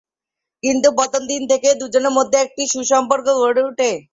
কিন্তু প্রথম দিন থেকেই দু’জনের মধ্যে একটি সুসম্পর্ক গড়ে ওঠে।